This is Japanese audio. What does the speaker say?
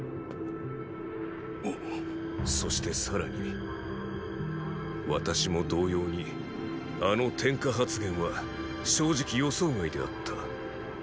そしてさらに私も同様にあの“天下”発言は正直予想外であった。